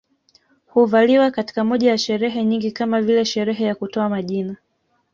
Huvaliwa katika moja ya sherehe nyingi kama vile sherehe ya kutoa majina